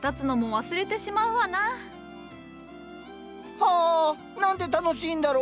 はあなんて楽しいんだろう。